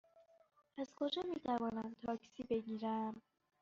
از کجا می توانم تاکسی بگیرم؟